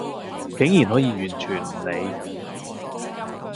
竟然可以完全唔理